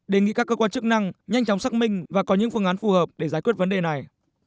đề nghị các cơ quan chức năng nhanh chóng xác minh và có những phương án phù hợp để giải quyết vấn đề này